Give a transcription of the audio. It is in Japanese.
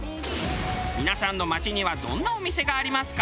皆さんの街にはどんなお店がありますか？